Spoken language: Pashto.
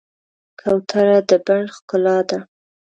کوتره د بڼ ښکلا ده.